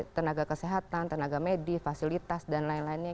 tenaga kesehatan tenaga medis fasilitas dan lain lainnya